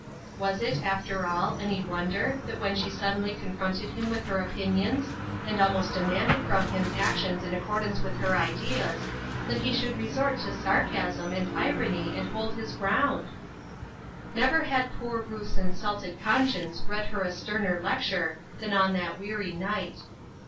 Was it, after all, any wonder that when she suddenly confronted him with her opinions, and almost demanded from him actions in accordance with her ideas, that he should resort to sarcasm and irony and hold his ground ? Never had poor Ruth's insulted conscience read her a sterner lecture than on that weary night.